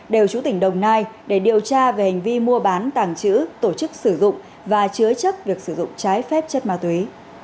đều chú tỉnh đồng nai để điều tra về hành vi mua bán tàng trữ tổ chức sử dụng và chứa chấp việc sử dụng trái phép chất ma túy